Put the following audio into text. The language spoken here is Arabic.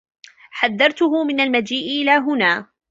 حذّرته من المجيء إلى هنا.